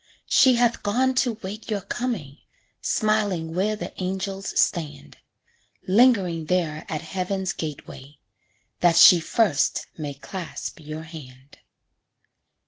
She hath gone to 'wait your coming, Smiling where the angels stand; Lingering there at heaven's gateway, That she first may clasp your hand.